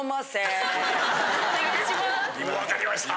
お願いします。